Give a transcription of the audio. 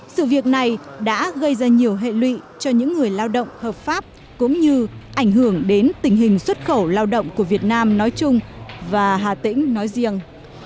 sự việc này đã gây ra nhiều hệ lụy cho những người lao động hợp pháp cũng như ảnh hưởng đến tình hình xuất khẩu lao động của việt nam nói chung và hà tĩnh nói riêng